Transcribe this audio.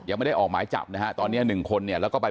ยังไม่ได้ออกไม้จับตอนนี้๑คนนี่